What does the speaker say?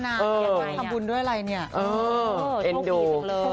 มาทำบุญด้วยอะไรเง็นดู